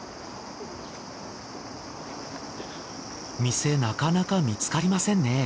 店なかなか見つかりませんね。